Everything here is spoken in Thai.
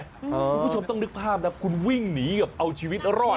คุณผู้ชมต้องนึกภาพนะคุณวิ่งหนีกับเอาชีวิตรอด